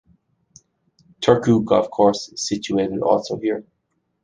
Turku golf course is situated also here.